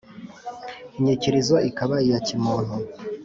Inyikilizo ikaba iya kimuntu